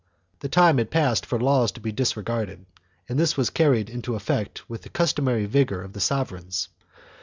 2 The time had passed for laws to be disregarded and this was carried into effect with the customary vigor of the sovereigns.